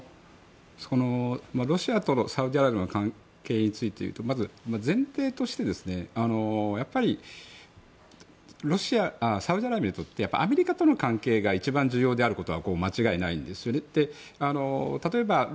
ロシアとサウジアラビアの関係についていうとまず、前提としてやっぱりサウジアラビアにとってアメリカとの関係が一番重要であることは間違いないんですよね。